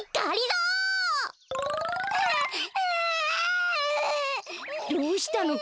どうしたの？